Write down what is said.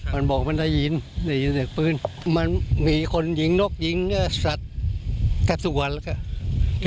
มันบอกมันได้ยินเดี๋ยวพื้นมันมีคนหยิงนกหยิงสัตว์แทบทุกวันแหละค่ะ